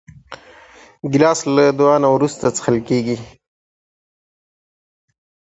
ګیلاس له دعا نه وروسته څښل کېږي.